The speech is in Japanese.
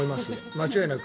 間違いなく。